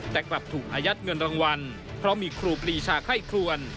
แต่กลับถูกอายัดเงินรางวัลเพราะมีครูปรีชาไข้ครวน